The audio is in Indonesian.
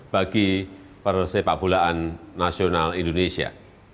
bagi persepakbolaan nasional indonesia